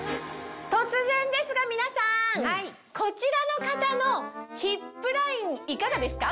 突然ですが皆さん！こちらの方のヒップラインいかがですか？